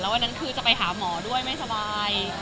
วันนั้นคือจะไปหาหมอด้วยไม่สบาย